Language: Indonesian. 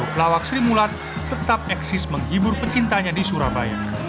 pelawak sri mulat tetap eksis menghibur pecintanya di surabaya